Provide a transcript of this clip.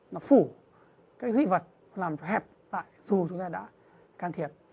nó phủ cái dị vật làm hẹp tại dù chúng ta đã can thiệp